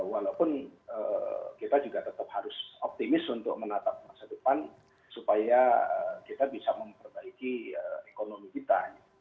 walaupun kita juga tetap harus optimis untuk menatap masa depan supaya kita bisa memperbaiki ekonomi kita